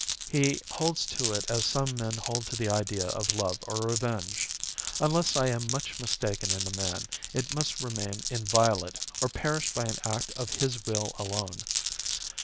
He holds to it as some men hold to the idea of love or revenge. Unless I am much mistaken in the man, it must remain inviolate or perish by an act of his will alone.